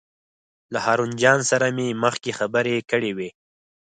له هارون جان سره مې مخکې خبرې کړې وې.